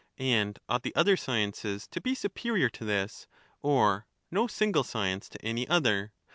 And ought the other sciences to be superior to this, STtAMCBm, or no single science to any other